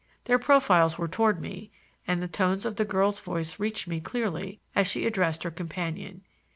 Their profiles were toward me, and the tones of the girl's voice reached me clearly, as she addressed her companion.